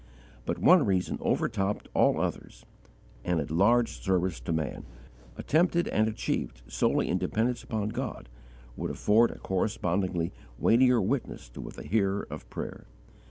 But one reason overtopped all others: an enlarged service to man, attempted and achieved solely in dependence upon God, would afford a correspondingly weightier witness to the Hearer of prayer.